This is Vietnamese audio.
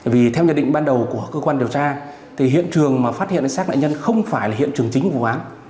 vì theo nhận định ban đầu của cơ quan điều tra thì hiện trường mà phát hiện xác nạn nhân không phải là hiện trường chính của vụ án